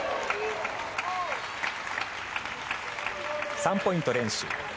３ポイント連取。